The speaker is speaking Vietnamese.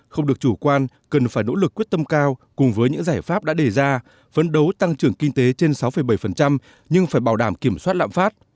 không được chủ quan cần phải nỗ lực quyết tâm cao cùng với những giải pháp đã đề ra vấn đấu tăng trưởng kinh tế trên sáu bảy nhưng phải bảo đảm kiểm soát lạm phát